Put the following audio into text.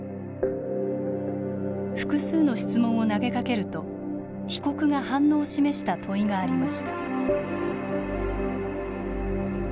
複数の質問を投げかけると被告が反応を示した問いがありました。